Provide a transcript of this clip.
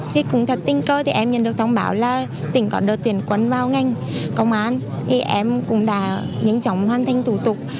thì cũng thật tình cơ thì em nhận được thông báo là tỉnh có đội tuyển quân vào ngành công an thì em cũng đã nhanh chóng hoàn thành thủ tục